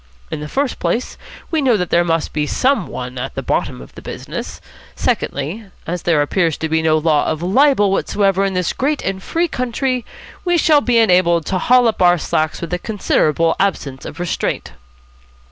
In the first place, we know that there must be some one at the bottom of the business. Secondly, as there appears to be no law of libel whatsoever in this great and free country, we shall be enabled to haul up our slacks with a considerable absence of restraint."